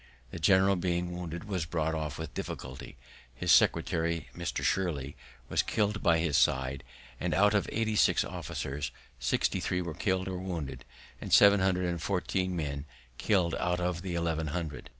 The general, being wounded, was brought off with difficulty; his secretary, Mr. Shirley, was killed by his side; and out of eighty six officers, sixty three were killed or wounded, and seven hundred and fourteen men killed out of eleven hundred.